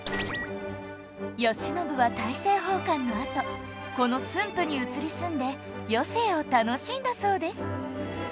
慶喜は大政奉還のあとこの駿府に移り住んで余生を楽しんだそうです